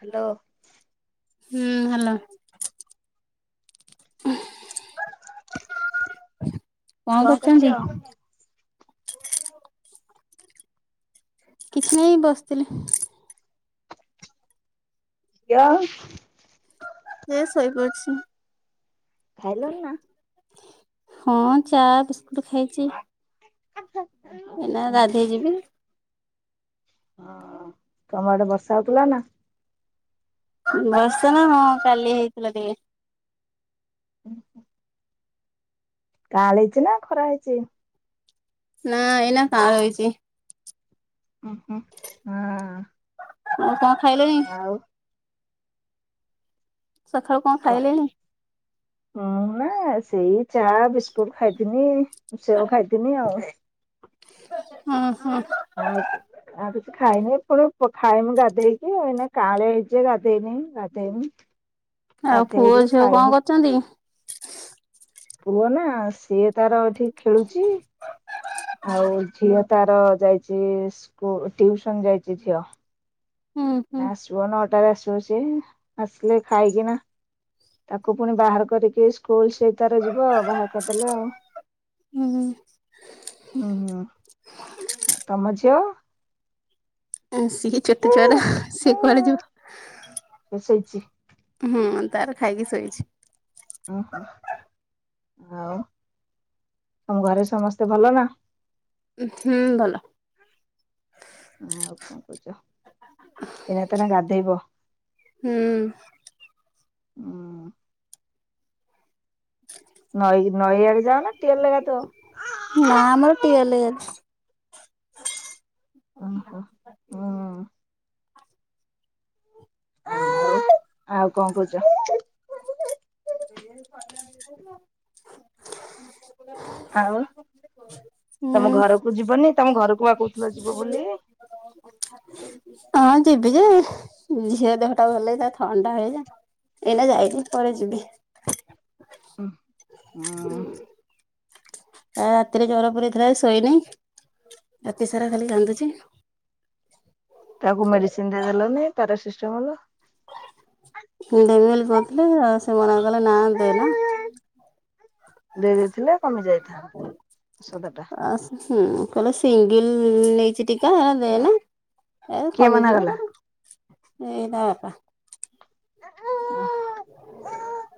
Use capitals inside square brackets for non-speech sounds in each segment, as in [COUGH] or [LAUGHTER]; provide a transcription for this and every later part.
Hello ହୁଁ hello. କଣ କରୁଚନ୍ତି? କିଛି ନାଇଁ ଏ ବସିଥିଲି। ଝିଅ? ଇଏ ଶୋଇପଡିଚି। ଖାଇଲଣ ନା? ହଁ ଚା ବିସ୍କୁଟ ଖାଇଚି। ହଁ ଏଇନା ରାଧେଇ ଯିବି। ହଁ ତମ ଆଡେ ବର୍ଷା ହୋଉଥୁଲା ନା? ବର୍ଷା ହଁ କାଲି ହେଇଥିଲା ଟିକେ। ଉଁ ହୁଁ। କାଆଁଳେଇଚି ନା ଖରା ହେଇଚି? ନା ଏନା କାଆଁଳେଇଚି ଉଁ ହୁଁ ହଁ। ଆଉ କଣ ଖାଇଲେଁ? ଆଉ ସଖାଳୁ କଣ ଖାଇଲେଣି? ମୁଁ ନା ସେଇ ଚା ବିସ୍କୁଟ ଖାଇଥିନି। ମୁଁ ସେଉ ଖାଇଥିନି ଆଉ। ଅହଁ। ଆଉ କେବେ ଆଉ କିଛି ଖାଇନେଇ ପୁଣି ପ ଖାଇମି ଗାଧେଇକି ଏଇନା କାଆଁଳେ ହେଇଚି ଗାଧେଇନି ଗାଧେଇମି। ଗାଧେଇଲେ ଖାଇମୁ। ଚନ୍ତି ପୁଅ ନା ସିଏ ତାର ଏଠି ଖେଳୁଚି। ଆଉ ଝିଅ ତାର ଯାଇଚି ସ୍କୁ ଟିଉସନ୍ ଯାଇଚି ଝିଅ। ହୁଁ ହୁଁ ନା ଆସିବ ନଅଟାରେ ଆସିବ ସିଏ ଆସିଲେ ଖାଇକିନା ତାକୁ ପୁଣି ବାହାର କରିକି ଏଇ ସ୍କୁଲ ସେଇ ତାର ଯିବ ବାହା କରଦେଲେ ଆଉ। ହୁଁ ଉଁ ହୁଁ ଆଉ ତମ ଝିଅ? ଉଁ ସିଏ ଛୋଟ ଛୁଆଟା ସିଏ କୁଆଡେ ଯିବ? ସିଏ ଶୋଇଚି? ହୁଁ ତାର ଖାଇକି ଶୋଇଚି। ଓହୋ ଆଉ ତମ ଘରେ ସମସ୍ତେ ଭଲ ନା? ଉଁହୁଁ ଭଲ। ଅ ଆଉ କଣ କରୁଚ? ଏନା ତାନେ ଗାଧେଇବ? ହୁଁ। ଉଁ ନଈ ନଈଆଡେ ଯାଅ ନା ଟିଅଲରେ ଲଧୁଅ? ନା ଆମର ଟିଅଲରେ ଗା ଓହୋ ହୁଁ। ଆଉ କଣ କୋହୁଚ? ସେଇଆ [UNINTELLIGIBLE] ଆଉ ତମ ହୁଁ ଘରକୁ ଯିବନି ତମ ଘରକୁ ପା କୋହୁଥୁଲ ଯିବ ବୋଲି? [UNINTELLIGIBLE] ହଁ ଯିବି ଯେ ଝିଅ ଦେହଟା ଭଲ ହେଇଯାଉ ତାକୁ ଥଣ୍ଡା ହେଇଚି। ଏଇନା ଯାଇନି ପରେ ଯିବି। ହୁ, ହଁ। ଉଁ ଉଁ। ଆ ରାତିରେ ଜର ପୁରେଇ ଥିଲା ଯେ ଶୋଇନି। ରାତି ସାରା ଖାଲି କାନ୍ଦୁଛି। ତାକୁ ମେଡିସିନ୍ ଟେ ଦେଲୁନି! ପାରାସିଷ୍ଟାମଲ। ଦେମି ବୋଲି କହୁଥିଲି, ସେ ମନା କଲେ ନା ଦେନା। ଦେଇଦେଇ ଥିଲେ, କମି ଯାଇଥାନ୍ ଔଷଧ ଟା। ଆଉ ହୁଁ, କହିଲା ସିଙ୍ଗିଲ୍ ନେଇଛି ଟିକା ହେରା ଦେନା। ହେ କିଏ ମନା କମିଯିବ କଲା? ତାର, ଏଇ ତା ବାପା।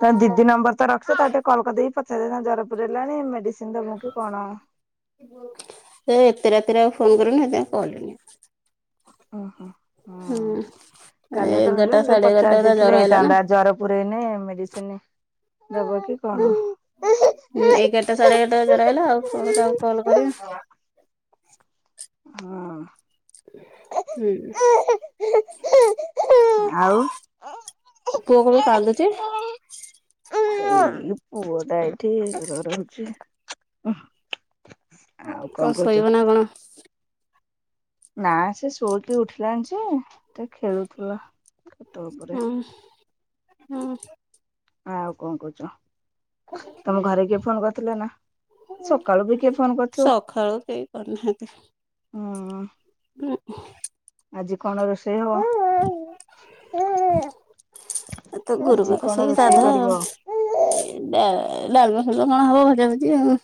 ତ ଦିଦି ନମ୍ବର ତ ରଖିଛ ତା, ଟିକେ କଲ୍ କରିଦେଇକି ପଚ୍ ସେଦିନ ଜର ପୁରେଇଲାଣି, ମେଡ଼ିସିନ୍ ଦେବୁ କି କଣ? ସେ ଏତେ ରାତିରେ ଆଉ ଫୋନ୍ କରିନି, ହେଥିପାଇଁ କଲିନି। ହୁଁ। କାଲି ଏତେଳେ ଏଗାରଟା ନେଲେ ସାଢେ ଏଗାରଟା ପଚାରି ତା ଦେଇଥିଲେ ଜର ଆଇଲା ନା ହେଇଥାନ୍ତା। ଜର ପୁରେଇନେ ମେଡିସିନି ହୁଁ, ଏଗାରଟା ସାଢେ ଏଗାରଟା ରେ ଜର ଆଇଲା। ଆଉ କହ ତାକୁ କଲ୍ କରିମି! ହଁ। ହୁଁ। ଆଉ। ପୁଅ କଣ ପେ କାନ୍ଦୁଚି? ଏଇ ପୁଅଟା ଏଠି ଜର ହଉଚି ଉହ୍ କ ଶୋଇବ ନା କଣ? ନା ସେ ଶୋଇକି ଉଠିଲାଣି ଯେ, ତ ଖେଳୁଥିଲା। ଖଟ ଉପରେ ହୁଁ, ହୁଁ। ଆଉ କଣ କଉଚ? ତମ ଘରେ କିଏ ଫୋନ୍ କରିଥିଲେ ନା? ସକାଳୁ ବି କିଏ ଫୋନ୍ କରୁଥିବ? ସକାଳୁ କେହି କରିନାହାନ୍ତି ହୁଁ। ହୁଁ ଉ। ଆଜି କଣ ରୋଷେଇ ହବ? ଏ ତ ଆଜି କଣ ରୋଷେଇ କରିବ? ଏ ଡା-ଡାଲମା ଫାଲମା, କଣ ହବ ଭଜା ଭଜି ଆଉ।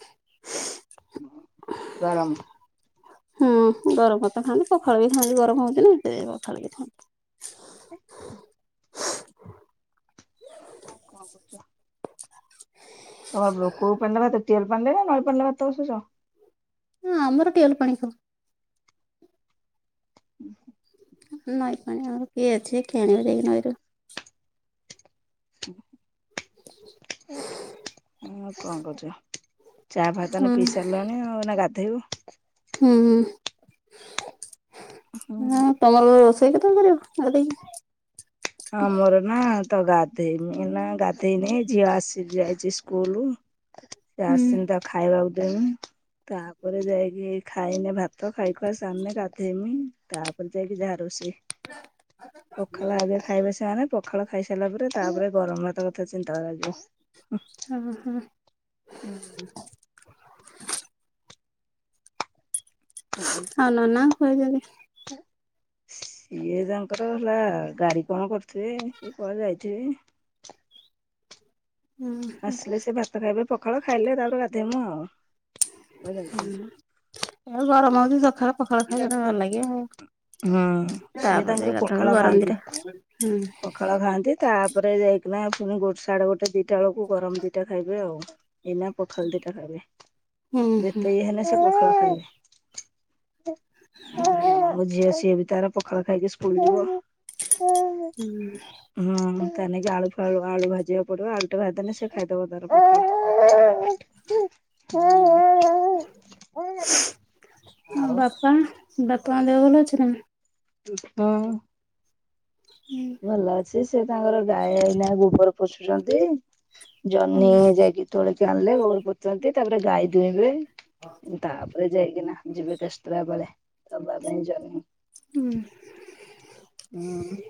[INAUDIBLE] ଗରମ। ହୁଁ, ଗରମ ଭାତ ଖାଆନ୍ତି। ପଖାଳ ବି ଖାଆନ୍ତି, ଗରମ ହଉଛି ନା ହେଥି ପାଇଁ ପଖାଳିବି ଖାଆନ୍ତି। [INAUDIBLE] ହଉ କଣ କରୁଛ? ତମର କୋଉ ପାଣି ରେ ଭାତ, ଟିୱେଲ୍ ପାଣିରେ ନଈ ପାଣିଲେ ଭାତ ବସଉଚ? ହୁଁ, ଆମର ଟିୱଲ ପାଣି ଖାଉ। ନଈ ପାଣି ଆମର କିଏ ଅଛି? କିଏ ଆଣିବ ଯାଇକି ନଈରୁ? [INAUDIBLE] ଉଁ, କଣ କରୁଛ? ଚା' ଫା ତାନେ ହୁଁ ପିଇ ସାରିଲଣି ଆଉ, ଏନା ଗାଧେଇବ। ହୁଁ ଉଁ ହୁଁ। ହଁ। ତମର ରୋଷେଇ କେତେବେଳେ କରିବ ଗାଧେଇକି? ହଁ, ମୋର ନା ତ ଗାଧେଇନି। ଏନା ଗାଧେଇନି, ଝିଅ ଆସିି ଯାଇଛି ସ୍କୁଲୁ। ସେ ହୁଁ ଆସିନି ତାକୁ ଖାଇବାକୁ ଦେନି, ତା'ପରେ ଯାଇକି ଖାଇନେ ଭାତ୍ ତ ଖାଇଖୁଆ ସାରନେ ଗାଧେଇମି, ତା'ପରେ ଯାଇକି ଯା ରୋଷେଇ। ପଖାଳ ଆଗେ ୟା! ଖାଇବେ ସେମାନେ, ପଖାଳ ଖାଇସାରିଲା ପରେ ତା'ପରେ ଗରମ ଭାତ କଥା ଚିନ୍ତା କରାଯିବ। ଓହୋ ହୁଁ, ହୁଁ। ହୁଁ। ଆଉ ନାନା [UNINTELLIGIBLE] [INAUDIBLE] ସିଏ ତାଙ୍କର ହେଲା, ଗାଡି କଣ କରୁଥିବେ କି କୁଆ ଯାଇଥିବେ? ହୁଁ ହୁଁ। ଆସିଲେ ସେ ଭାତ ଖାଇବେ ପଖାଳ ଖାଇଲେ ତାପରେ ଗାଧୋଇ ମୁ ଆଉ। କୁଆଡେ ଯାଇଛନ୍ତି। ହଁ ଏ ଗରମ ହଉଚି ସକାଳେ ଗରମ ଖାଇଅ ଭଲ ଲାଗିବ ହୁଁ ଆଉ। ସିଏ ତାଙ୍କର ତାପରେ ଗାଧୁଆ ପଖାଳ ବେଳୁ ଗରମ ଖାଆନ୍ତି ଦି ଟା ପଖାଳ ଖାଆନ୍ତି, ତାପରେ ଯାଇକିନା ପୁଣି ଗୋଟେ ସାଢ଼େ ଗୋଟେ ଦିଇଟା ବେଳକୁ ଗରମ ଦିଇଟା ଖାଇବେ ଆଉ। ଏଇନା ପଖାଳ ଦିଟା ଖାଇବେ, ହୁଁ ହୁଁ ଯେତେ ଇଏ ହେଲେ ସେ ପଖାଳ ଖାଇବେ। ମୋ [INAUDIBLE] ଝିଅ ସିଏ ବି ତାର ପଖାଳ ଖାଇକି ସ୍କୁଲ ଯିବ। ହଁ ତା ନେଇକି ଆଳୁ ଫାଳୁ ଆଳୁ ଭାଜିବା କୁ ପଡିବ, ଆଳୁ ଟା ଭାଜିଦେଲେ ସେ ଖାଇଦବ ତାର ହଁ ଆଉ ବାପାମାଆ ଦେହ ଭଲ ଅଛି ନା? ହଁ। ହୁଁ। ଭଲ ଅଛି, ସେ ତାଙ୍କର ଗାଈ ଏଇନା ଗୋବର ପୋଛୁଛନ୍ତି ଜହ୍ନି ଯାଇକି ତୋଳି କିି ଆଣିଲେ, ଗୋବର ପୋଛୁଚନ୍ତି, ତାପରେ ଗାଈ ଧୋଇଁବେ। ହଁ। ତାପରେ ଯାଇକିନା ଯିବେ ଦଶଟା ବଳେ ଦବା ପାଈଁ [UNINTELLIGIBLE] ହୁଁ। ହୁଁ।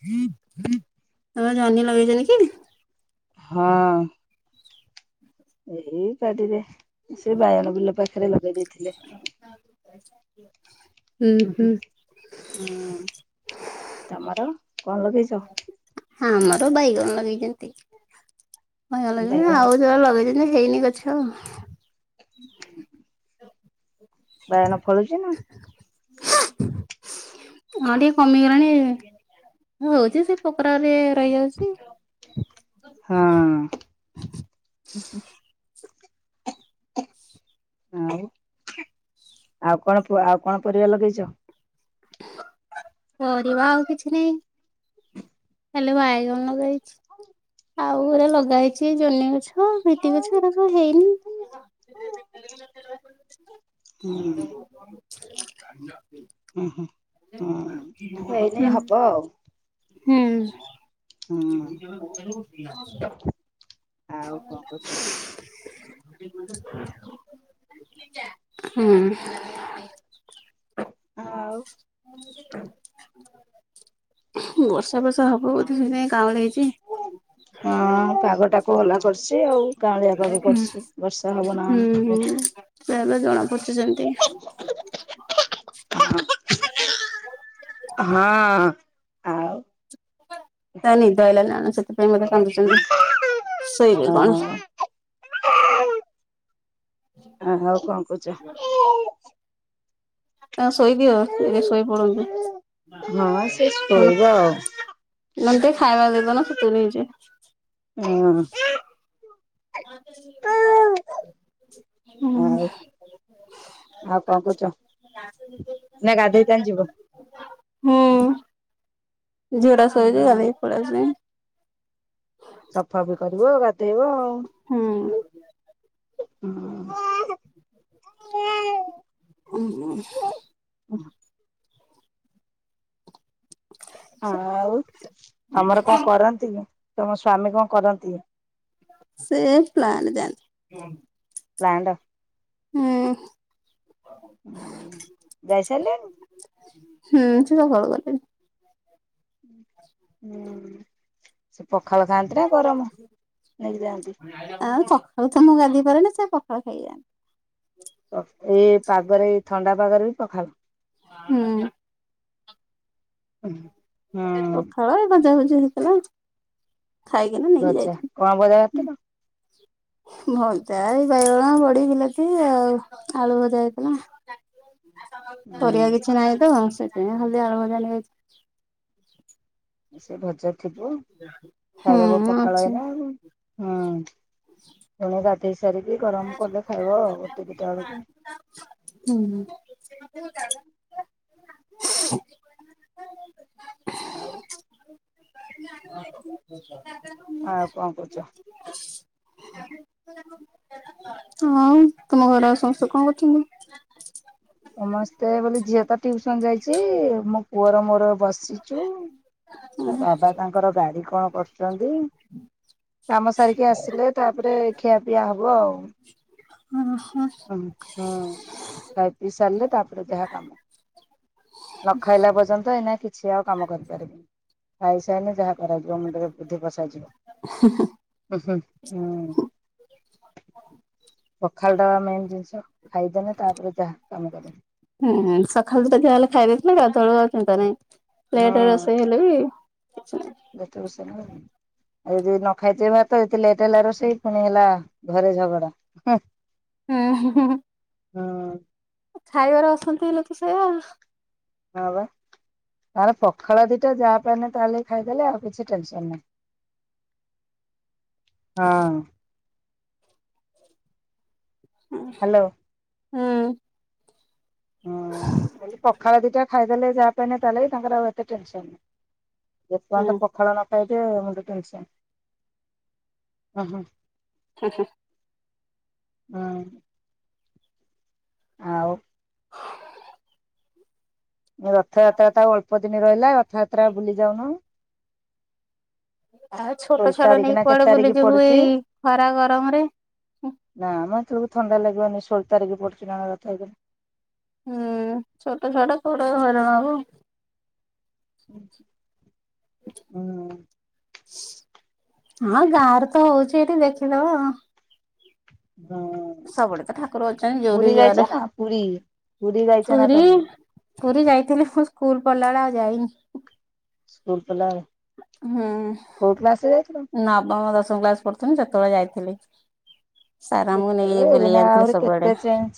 ତମେ ଜହ୍ନି ଲଗେଇଚି କି? ହଁ। ଏଇ ବାଡିରେ ସେ ବାଇଗଣ ବିଲ ପାଖରେ ଲଗେଇ ଦେଇେଇଥିଲେ। [INAUDIBLE] ଉଁ ହୁଁ ହୁଁ ତମର କଣ ଲଗେଇଛ? ହଁ ଆମର ବାଇଗଣ ଲଗେଇଛନ୍ତି, ବାଇଗଣ ଆଉ ଯୋ ଲଗେଇଛନ୍ତି ହେଇନି ଗଛ। [UNINTELLIGIBLE] ବାଇଗଣ ଫଳୁଛି ନା? ଆଉ ଟିକେ କମିଗଲାଣି, ହଉଛି ସେ ପୋକଡା ରେ ରହିଯାଉ ହଁ। [INAUDIBLE] ଆଉ ଆଉ କଣ ଆଉ କଣ ପରିବା ଲଗେଇଛ? ପରିବା ଆଉ କିଛି ଖାଲି ବାଇଗଣ ଲଗେଇଛି। ଆଉ ହେରା ଲଗାହେଇଛି ଜହ୍ନି ଗଛ। ହଁ ହେତିକି ଅଛି ନା ହୁଁ [UNINTELLIGIBLE] ହେଇନି। [INAUDIBLE] ହୁଁ ହୁଁ ହୁଁ ହେଇନି ହବ ଆଉ। ହୁଁ ହିଁ। ଆଉ କଣ କରୁଛ? ହୁଁ। ଆଉ ବର୍ଷା ବର୍ଷା ହବ ବୋଧେ ସେଇନାଇ କାଉଁଳି [UNINTELLIGIBLE] ହଁ ପାଗଟାକୁ କୋହଳା କରିଚି, ଆଉ କାଉଁଳିଆ ପାଗ କରିଚି, ବର୍ଷା ହବ ନା କଣ? ସେ ଏବେ ଜଣା ପଡୁଛି ସେମିତି। [INAUDIBLE] ହଁ। ଆଉ ତାଙ୍କୁ ନିଦ ଆଇଲା ନା କଣ ସେଥିପାଇଁ ସେ କାନ୍ଦୁଛନ୍ତି। ଶୋଇବେ କଣ? ହ ହଉ କଣ କରୁଚ? ତକୁ ଶୋଇଦିଅ ଟିକେ ଶୋଇପଡନ୍ତୁ। ହଁ ସେ ସୋଇବ ଆଉ। ନହେଲେ ଟିକେ ଖାଇବା ଦେଇ ଦୋଉନ ସେ ତୁନି ହେଇଯିବ। ହଁ। [UNINTELLIGIBLE] ହୁଁ ଆଉ ଆଉ କଣ କରୁଛ, ନା ଗାଧେଇବା ପାଇଁ ଯିବ? ହୁଁ ଝିଅ ଟା ଶୋଇଚି ଗାେଧଇକି ପଳେଇ ଆସିବି। ସଫା ବି କରିବ, ଗାଧେଇବ ଆଉ। ହୁଁ। ହୁଁ। ଉଁ। ହଁ ଆଉ ଆମର କଣ କରନ୍ତି, ତମ ସ୍ଵାମୀ କଣ କରନ୍ତି? ସେ ପ୍ଲାଣ୍ଟ ଯାଆନ୍ତି। ପ୍ଲାଣ୍ଟ, ହୁଁ ଯାଇସାଇଲେଣି? ହୁଁ ସେ ସକାଳୁ ଗଲେଣି। ହୁଁ ସେ ପଖାଳ ଖାଆନ୍ତି ନା ଗରମ ନେଇକି ଯାଆନ୍ତି? ହୁଁ ସଖାଳୁ ତ ମୁଁ ଗାଧେଇ ପାରେନି, ସେ ପଖାଳ ଖାଇକି ଯାଆନ୍ତି। ଏ ପାଗରେ ଏ ଥଣ୍ଡା ପାଗରେ ବି ପଖାଳ। ହୁଁ। ପଖାଳ ଏ ଭଜାଭଜି ହେଇଥିଲା। ଖାଇକି ନା ନେଇକି ଭଜା ଯାଇଛନ୍ତି, କଣ ଭଜା ହୁଁ। କରିଥିଲ? ଭଜା ଏଇ ବାଇଗଣ, ବଡି, ବିଲାତି ଆଉ ଆଳୁ ଭଜା ହେଇଥିଲା। ପରିବା ହୁଁ କିଛି ନାହିଁ ତ, ସେଥିପାଇଁ ଖାଲି ଆଳୁ ଭଜା ଖାଲି ହେଇଚି। ସେ ଭଜା ଥିବ, ଖାଇଦବ ହୁଁ ପଖାଳ ଅଛି। ଏଇନା ଆଉ। ହୁଁ ତମେ ଗାଧେଇ ସାରିକି ଗରମ କଲେ ଖାଇବ ଆଉ, ଗୋଟେ ଦିଟା ବେଳକୁ। ହୁଁ। [INAUDIBLE] ଆଉ ଆଉ [INAUDIBLE] କଣ କରୁଛ? ଆଉ ତମ ଘରେ ଆଉ ସମସ୍ତେ କଣ କରୁଛନ୍ତି? ସମସ୍ତେ ବୋଲି ଝିଅ ତ ଟିଉସନ ଯାଇଛି, ମୋ ପୁଅର ମୋର ବସିଚୁ। ତା ବାବା ତାଙ୍କର ଗାଡି କଣ କରୁୁ ଛନ୍ତି, କାମ ସାରିକି ଆସିଲେ ତାପରେ ଖିଆପିଆ ହବ ଆଉ। ଓ - ହଁ। ହଁ- ହଁ ଖାଇ ପି ସାରିଲେ ତାପରେ ଯାହା କାମ। ନ ଖାଇଲା ପର୍ଯ୍ୟନ୍ତ ଏଇନା କିଛି ଆଉ କାମ କରିପାରିବିନି। ଖାଇସାଇନେ ଯାହା କରାଯିବ, ମୁଣ୍ଡରେ ବୁଦ୍ଧି ପସାଯିବ। ହୁ- ହୁ- ହୁଁ ପଖାଳ ତ ମେନ୍ ଜିନିଷ ଖାଇଦେଲେ, ତାପରେ ଯାହା କାମ କରିବ। ହୁଁଁ ସକାଳୁ ତ ଯାହାହେଲେ ଖାଇ ଦେଇଥିଲେ, ଗାଧୁଆ ବେଳକୁ ଆଉ ଚିନ୍ତା ନାହିଁ। ଲେଟ୍ ରେ ରୋଷେଇ ହେଲେ ବି [INAUDIBLE] ଯଦି ରୋଷେଇ ନ ହେଇନି ଆଉ ଯଦି ନ ଖାଇଥବେ ଭାତ, ଏତେ ଲେଟ୍ ହେଲା ରୋଷେଇ ପୁଣି ହେଲା ଘରେ ଝଗଡା। ହୁଁ। ଉଁ -ହୁଁ -ହୁଁ। ହଁ। [UNINTELLIGIBLE] ଖାଇବାର ଅଶାନ୍ତି ହେଲେ ତ ସେଇଆ। ହଁ ବା। ନହେଲେ ପଖାଳ ଦିଟା ଯାହା ପାଇନେ ତା ଲଗେଇ ଖାଇଦେଲେ, ଆଉ କିଛି ଟେନସନ୍ ନାହିଁ। ହଁ। ହଁ ହ୍ୟାଲୋ -ହୁଁ। ହଁ ନହେଲେ ପଖାଳ ଦିଟା ଖାଇଦେଲେ ଯାହା ପାଇନେ ତା ଲଗେଇ, ତାଙ୍କର ଆଉ ଏତେ ଟେନସନ ନାହିଁ। ଯେ ହୁଁ ପର୍ଯ୍ୟନ୍ତ ପଖାଳ ନ ଖାଇଥିବେ ମୁଣ୍ଡ ଟେନ୍ସନ ହଁ -ହଁ। ଆଚ୍ଛା। ହଁ। ଆଉ। ରଥଯାତ୍ରା ତ ଆଉ ଅଳ୍ପ ଦିନ ରହିଲା ରଥଯାତ୍ରା ବୁଲି ଯାଉନ। ଆଉ ଷୋଳ ଛୋଟ ଛୁଆ ଟା ତାରିଖ ନେଇକି ନା କେତେ କୁଆଡେ ତାରିଖ ବୁଲିଯିବୁ ପଡୁଛି? ଏଇ ଖରା ଗରମରେ। ନା ମ ହେତେବେଳୁକୁ ଥଣ୍ଡା ଲାଗିବନି ସୋଳ ତାରିଖ ପଡୁଛି ନା କଣ ରଥଯାତ୍ରା? ହୁଁ ଛୋଟ ଛୁଆଟା କୁଆଡ଼େ ହଇରାଣ ହବ। ହ ହୁଁ। ହଁ ଗାଁରେ ତ ହୋଉଛି ଏଠି ଦେଖିଦବ। ହଁ। ସବୁଡେ ତ ଠାକୁର ଅଛନ୍ତି ଯୋଉଠି ଯୁଆଡେ। ପୁରୀ ପୁରୀ ଯାଇଛ ନା ତମେ? ପୁରୀ ଯାଇଥିଲି ମୁଁ ସ୍କୁଲ ପଡିଲା ବେଳେ ଆଉ ଯାଇନି। ସ୍କୁଲ ପଡ଼ିଲା ବେଳେ। ହୁଁ ନବମ ଦଶମ କ୍ଲାସ ପଢୁଥିଲି ସେତେବେଳେ ଯାଇଥିଲି। ସାର ଆମକୁ କେତେବେଳେ ନେଇ ବୁଲେଇ ଏଇନା ଆଣିଥିଲେ ଆହୁରି କେତେ ସବୁଆଡେ। ଚେଞ୍ଜ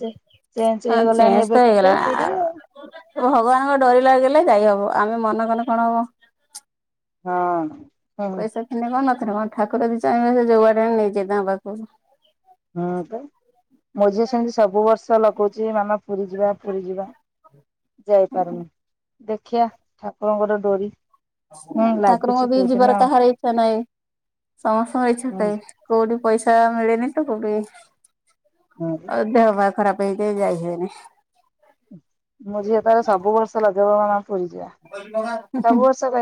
ଚେଞ୍ଜ ଆ ହେଇଗଲାଣି ଚେଙ୍ଗ ଏବେ ତ କେତେ ହୋଇଗଲା ପୁରୀ ଆ। ଆଉ ଓ ଭଗବାନଙ୍କ ଡୋରି ଲାଗିଲେ ଯାଇ ହବ ଆମେ ମନ କନେ କଣ ହବ? ହଁ। ହୁଁ ପଇସା ଥିନେ କଣ ନଥିନେ କଣ ଠାକୁର ଯଦି ଚାହିଁବେ ସେ ଯୋଉବାଟେ ହେନେ ନେଇଯିବେ ତାଙ୍କ ପାଖକୁ। ହଁ ପା। ମୋ ଝିଅ ସେମିତି ସବୁ ବର୍ଷ ଲଗଉଛି ମାମା ପୁରୀ ଯିବା ପୁରୀ ଯିବା। ଯାଇପାରୁନି ଦେଖିଆ ଠାକୁରଙ୍କର ଡୋରି। ହୁଁ ଠାକୁରଙ୍କ ଲାଗୁଛି ବି କୋଉଦିନ ଯିବାର କାହାର ଇଚ୍ଛା ନାହିଁ ସମସ୍ତଙ୍କର ଇଛା ଥାଏ। କୋଉଠି ପଇସା ମିଳେନି ତ କୋଉଠି। ହଁ। ଆଉ ଦେହ ପା ଖରାପ ହେଇଯାଏ ଯାଇ ହୁଏନି। ମୋ ଝିଅ ତାର ସବୁ ବର୍ଷ ଲଗେଇବ ମାମା ପୁରୀ ଯିବା ସବୁ ବର୍ଷ କହିବ